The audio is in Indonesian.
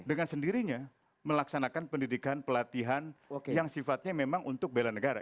dengan sendirinya melaksanakan pendidikan pelatihan yang sifatnya memang untuk bela negara